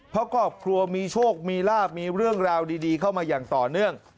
เพราะครอบครัวมีโชคมีลาบมีเรื่องราวดีเข้ามาอย่างต่อเนื่อง